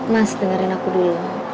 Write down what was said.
mas dengerin aku dulu